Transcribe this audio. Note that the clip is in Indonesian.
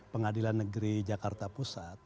pengadilan negeri jakarta pusat